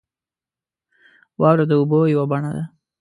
• واوره د اوبو یوه بڼه ده.